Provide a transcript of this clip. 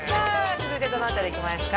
続いてどの辺りいきますか？